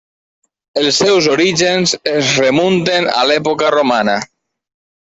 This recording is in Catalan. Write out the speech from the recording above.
Els seus orígens es remunten a l'època romana.